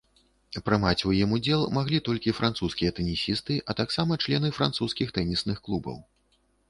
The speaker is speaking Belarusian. Прымаць у ім удзел маглі толькі французскія тэнісісты, а таксама члены французскіх тэнісных клубаў.